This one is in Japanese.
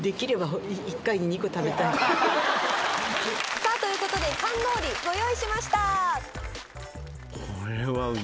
さぁということでカンノーリご用意しました。